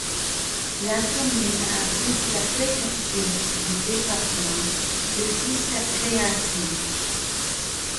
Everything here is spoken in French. La commune abrite la préfecture du département depuis sa création.